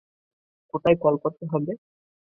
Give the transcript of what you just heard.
কোথায় কল করতে হবে?